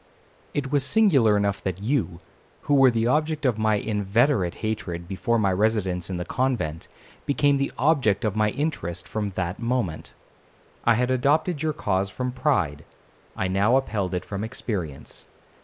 'It was singular enough that you, who were the object of my inveterate hatred before my residence in the convent, became the object of my interest from that moment. I had adopted your cause from pride, I now upheld it from experience.